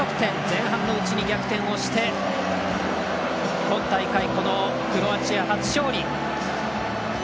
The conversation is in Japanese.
前半のうちに逆転をして今大会、このクロアチア初勝利。